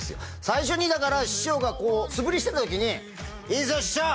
最初にだから師匠がこう素振りしてた時に「いいぞ師匠！